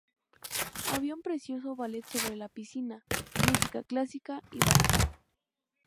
Había un precioso ballet sobre la piscina, música clásica, y baile.